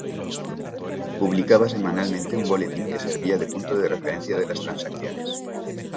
Publicaba semanalmente un boletín que servía de punto de referencia de las transacciones.